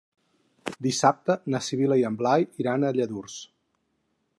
Dissabte na Sibil·la i en Blai iran a Lladurs.